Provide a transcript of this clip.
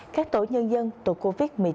các tổ nhân dân tổ covid một mươi chín